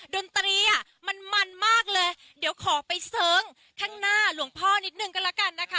ดนตรีอ่ะมันมันมากเลยเดี๋ยวขอไปเสิร์งข้างหน้าหลวงพ่อนิดนึงก็แล้วกันนะคะ